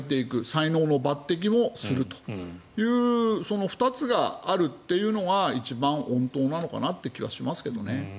才能の抜てきもするというその２つがあるというのが一番穏当なのかなという気がしますね。